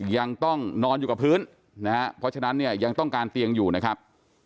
ยังต้องนอนอยู่กับพื้นนะฮะเพราะฉะนั้นเนี่ยยังต้องการเตียงอยู่นะครับ